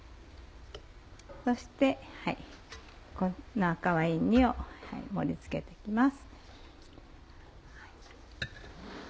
そして赤ワイン煮を盛り付けて行きます。